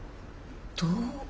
どう。